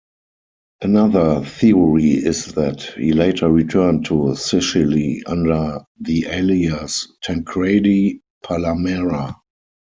Another theory is that he later returned to Sicily under the alias Tancredi Palamara.